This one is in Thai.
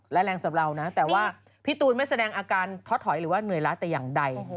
และแรงสำหรับเรานะแต่ว่าพี่ตูนไม่แสดงอาการทดถอยหรือว่าเหนื่อยล้าแต่อย่างใด